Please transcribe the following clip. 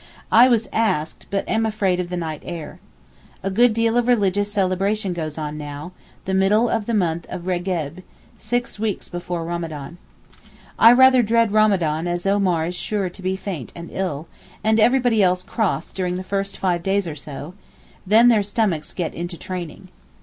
I was asked, but am afraid of the night air. A good deal of religious celebration goes on now, the middle of the month of Regeb, six weeks before Ramadan. I rather dread Ramadan as Omar is sure to be faint and ill, and everybody else cross during the first five days or so; then their stomachs get into training.